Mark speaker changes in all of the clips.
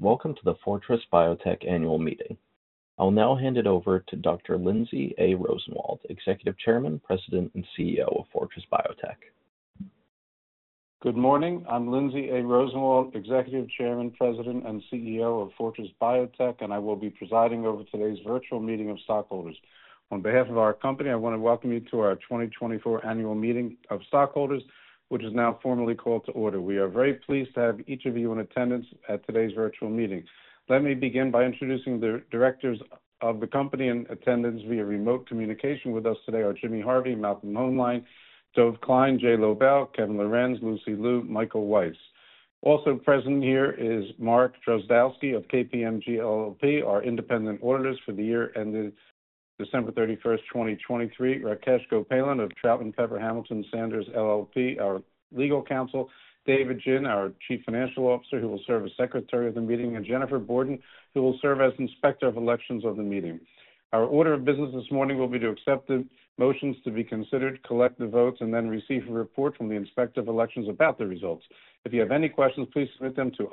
Speaker 1: Welcome to the Fortress Biotech Annual Meeting. I'll now hand it over to Dr. Lindsay A. Rosenwald, Executive Chairman, President, and CEO of Fortress Biotech.
Speaker 2: Good morning. I'm Lindsay A. Rosenwald, Executive Chairman, President, and CEO of Fortress Biotech, and I will be presiding over today's virtual meeting of stockholders. On behalf of our company, I want to welcome you to our 2024 Annual Meeting of Stockholders, which is now formally called to order. We are very pleased to have each of you in attendance at today's virtual meeting. Let me begin by introducing the directors of the company in attendance via remote communication with us today: Jimmie Harvey, Malcolm Hoenlein, Dov Klein, J. Jay Lobell, Kevin Lorenz, Lucy Lu, Michael Weiss. Also present here is Mark Drozdowski of KPMG LLP, our independent auditors for the year ended December 31st, 2023. Rakesh Gopalan of Troutman Pepper Hamilton Sanders LLP, our legal counsel. David Jin, our Chief Financial Officer, who will serve as Secretary of the meeting, and Jennifer Borden, who will serve as Inspector of Elections of the meeting. Our order of business this morning will be to accept the motions to be considered, collect the votes, and then receive a report from the Inspector of Elections about the results. If you have any questions, please submit them to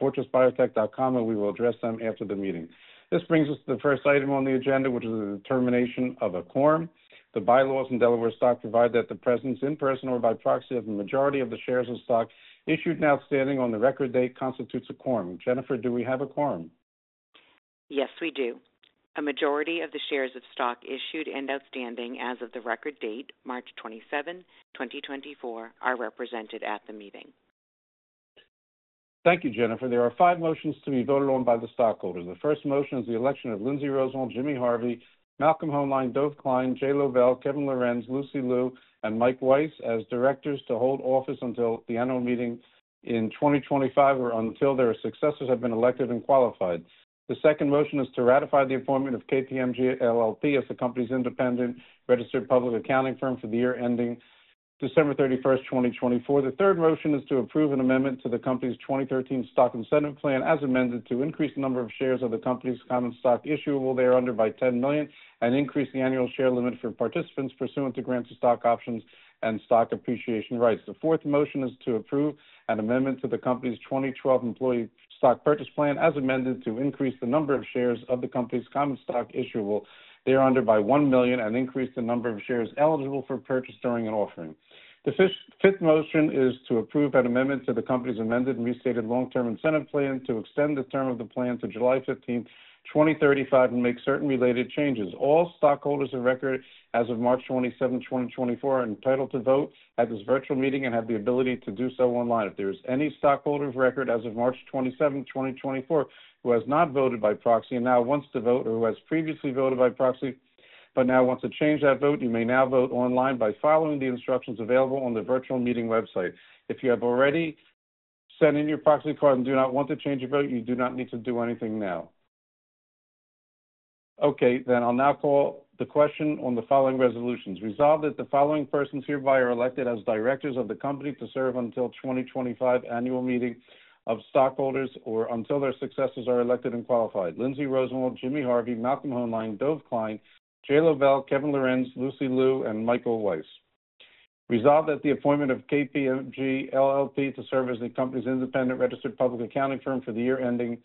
Speaker 2: ir@fortressbiotech.com, and we will address them after the meeting. This brings us to the first item on the agenda, which is the determination of a quorum. The bylaws and Delaware law provide that the presence, in person or by proxy, of the majority of the shares of stock issued and outstanding on the record date, constitutes a quorum. Jennifer, do we have a quorum?
Speaker 3: Yes, we do. A majority of the shares of stock issued and outstanding as of the record date, March 27, 2024, are represented at the meeting.
Speaker 2: Thank you, Jennifer. There are five motions to be voted on by the stockholders. The first motion is the election of Lindsay Rosenwald, Jimmie Harvey, Malcolm Hoenlein, Dov Klein, J. Jay Lobell, Kevin Lorenz, Lucy Lu, and Mike Weiss as directors to hold office until the annual meeting in 2025, or until their successors have been elected and qualified. The second motion is to ratify the appointment of KPMG LLP as the company's independent registered public accounting firm for the year ending December 31, 2024. The third motion is to approve an amendment to the company's 2013 Stock Incentive Plan, as amended, to increase the number of shares of the company's Common Stock issuable thereunder by 10 million, and increase the annual share limit for participants pursuant to grants of stock options and Stock Appreciation Rights. The fourth motion is to approve an amendment to the company's 2012 Employee Stock Purchase Plan, as amended, to increase the number of shares of the company's Common Stock issuable thereunder by 1 million, and increase the number of shares eligible for purchase during an offering. The fifth motion is to approve an amendment to the company's Amended and Restated Long-Term Incentive Plan, to extend the term of the plan to July 15, 2035, and make certain related changes. All stockholders of record as of March 27, 2024, are entitled to vote at this virtual meeting and have the ability to do so online. If there is any stockholder of record as of March 27th, 2024, who has not voted by proxy and now wants to vote, or who has previously voted by proxy but now wants to change that vote, you may now vote online by following the instructions available on the virtual meeting website. If you have already sent in your proxy card and do not want to change your vote, you do not need to do anything now. Okay, then I'll now call the question on the following resolutions. Resolve that the following persons hereby are elected as directors of the company to serve until 2025 Annual Meeting of Stockholders, or until their successors are elected and qualified: Lindsay Rosenwald, Jimmie Harvey, Malcolm Hoenlein, Dov Klein, J. Jay Lobell, Kevin Lorenz, Lucy Lu, and Michael Weiss. RESOLVED that the appointment of KPMG LLP to serve as the company's independent registered public accounting firm for the year ending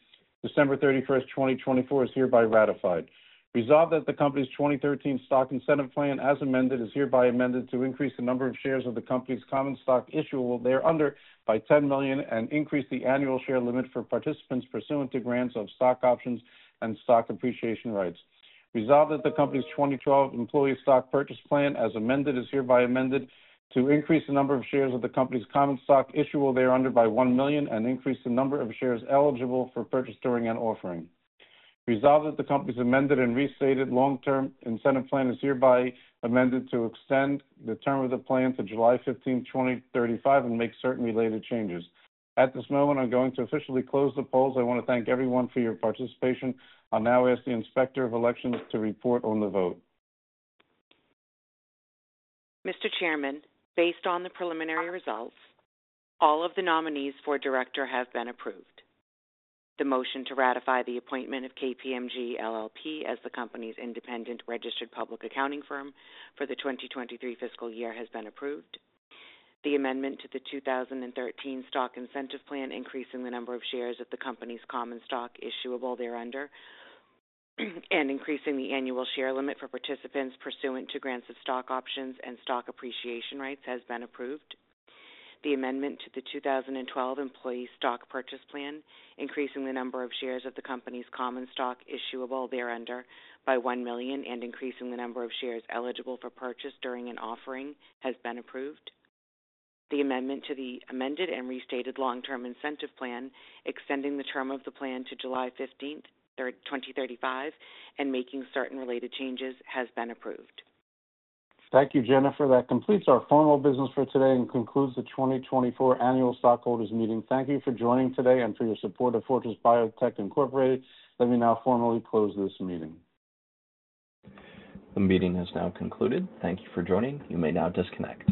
Speaker 2: December 31st, 2024, is hereby ratified. RESOLVED that the company's 2013 Stock Incentive Plan, as amended, is hereby amended to increase the number of shares of the company's Common Stock issuable thereunder by 10 million, and increase the annual share limit for participants pursuant to grants of Stock Options and Stock Appreciation Rights. RESOLVED that the company's 2012 Employee Stock Purchase Plan, as amended, is hereby amended to increase the number of shares of the company's Common Stock issuable thereunder by 1 million, and increase the number of shares eligible for purchase during an offering. RESOLVED that the company's Amended and Restated Long-Term Incentive Plan is hereby amended to extend the term of the plan to July 15, 2035, and make certain related changes. At this moment, I'm going to officially close the polls. I want to thank everyone for your participation. I'll now ask the Inspector of Elections to report on the vote.
Speaker 3: Mr. Chairman, based on the preliminary results, all of the nominees for director have been approved. The motion to ratify the appointment of KPMG LLP as the company's independent registered public accounting firm for the 2023 fiscal year has been approved. The amendment to the 2013 Stock Incentive Plan, increasing the number of shares of the company's Common Stock issuable thereunder, and increasing the annual share limit for participants pursuant to grants of Stock Options and Stock Appreciation Rights, has been approved. The amendment to the 2012 Employee Stock Purchase Plan, increasing the number of shares of the company's Common Stock issuable thereunder by 1 million, and increasing the number of shares eligible for purchase during an offering, has been approved. The amendment to the Amended and Restated Long-Term Incentive Plan, extending the term of the plan to July 15, 2035, and making certain related changes, has been approved.
Speaker 2: Thank you, Jennifer. That completes our formal business for today and concludes the 2024 Annual Stockholders Meeting. Thank you for joining today and for your support of Fortress Biotech, Incorporated. Let me now formally close this meeting.
Speaker 1: The meeting has now concluded. Thank you for joining. You may now disconnect.